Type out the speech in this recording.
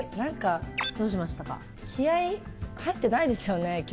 気合、入ってないですよね。